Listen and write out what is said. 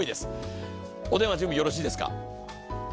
お電話準備よろしいですか。